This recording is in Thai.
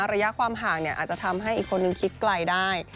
ระยะความห่างอาจจะทำให้อีกคนนึงคิดไกลได้